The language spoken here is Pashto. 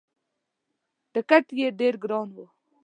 ټکت یې ډېر ګران وو.